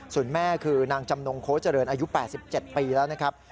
ส่วนแม่คือนางจำนงโค้เจริญอายุ๘๗ปีแล้วนะครับ